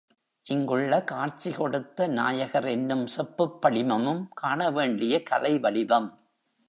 இங்குள்ள காட்சி கொடுத்த நாயகர் என்னும் செப்புப் படிமமும் காணவேண்டிய கலை வடிவம்.